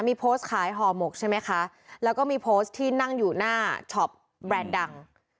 มีโพสต์ขายห่อหมกใช่ไหมคะแล้วก็มีโพสต์ที่นั่งอยู่หน้าช็อปแบรนด์ดัง